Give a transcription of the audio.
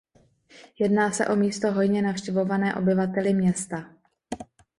Jedná se o místo hojně navštěvované obyvateli města.